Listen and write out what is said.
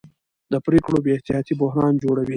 د پرېکړو بې احتیاطي بحران جوړوي